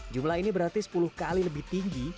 jumlah ini berarti sepuluh kali lebih tinggi